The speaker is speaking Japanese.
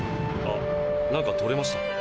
あなんか取れました。